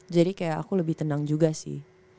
jadi kayak aku lebih tenang juga sih